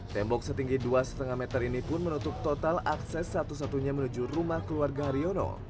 tembok setinggi dua lima meter ini pun menutup total akses satu satunya menuju rumah keluarga haryono